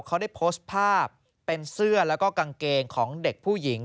เขาได้โพสต์ภาพเป็นเสื้อแล้วก็กางเกงของเด็กผู้หญิง